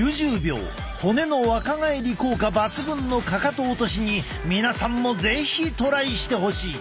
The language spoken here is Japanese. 骨の若返り効果抜群のかかと落としに皆さんも是非トライしてほしい！